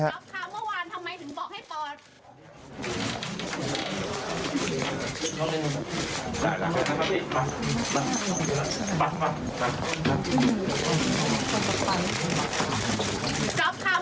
ค่ะเมื่อวานทำไมถึงบอกให้เปิด